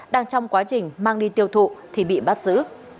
đang trong quá trình mang đi tiêu thụ thì bị bắt giữ